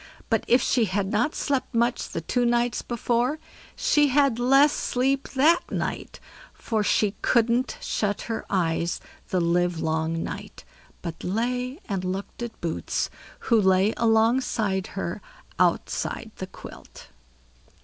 But if she hadn't slept much the two nights before, she had less sleep that night; for she couldn't shut her eyes the livelong night, but lay and looked at Boots, who lay alongside her outside the quilt.